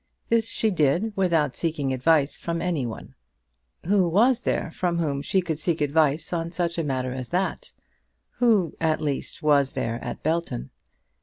This she did without seeking advice from any one. Who was there from whom she could seek advice on such a matter as that? who, at least, was there at Belton?